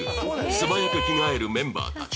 素早く着替えるメンバーたち